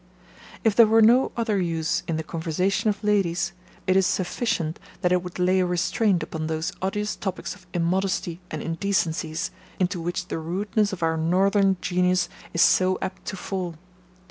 If there were no other use in the conversation of ladies, it is sufficient that it would lay a restraint upon those odious topics of immodesty and indecencies, into which the rudeness of our northern genius is so apt to fall.